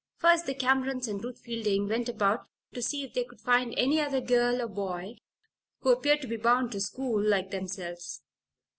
First the Camerons and Ruth Fielding went about to see if they could find any other girl or boy who appeared to be bound to school like themselves.